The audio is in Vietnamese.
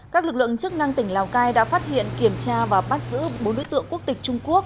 các lực lượng chức năng tỉnh lào cai đã phát hiện kiểm tra và bắt giữ bốn đối tượng quốc tịch trung quốc